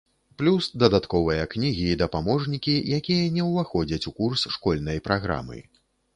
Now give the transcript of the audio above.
Плюс дадатковыя кнігі і дапаможнікі, якія не ўваходзяць у курс школьнай праграмы.